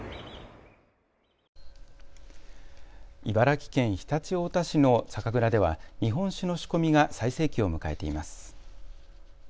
茨城県常陸太田市の酒蔵では日本酒の仕込みが最盛期を迎えています。